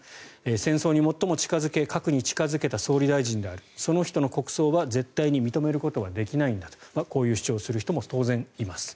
戦争に最も近付け核に近付けた総理大臣であるその人の国葬は絶対に認めることはできないんだとこういう主張をする人も当然います。